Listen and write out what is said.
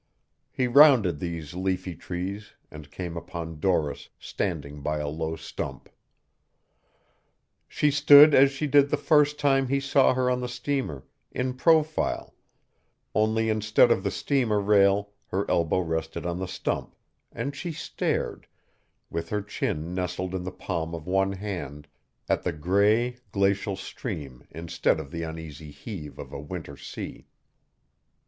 He rounded these leafy trees and came upon Doris standing by a low stump. She stood as she did the first time he saw her on the steamer, in profile, only instead of the steamer rail her elbow rested on the stump, and she stared, with her chin nestled in the palm of one hand, at the gray, glacial stream instead of the uneasy heave of a winter sea.